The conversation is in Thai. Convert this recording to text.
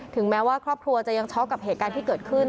แม้ว่าครอบครัวจะยังช็อกกับเหตุการณ์ที่เกิดขึ้น